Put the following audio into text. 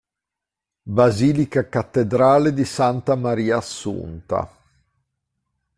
Basilica cattedrale di Santa Maria Assunta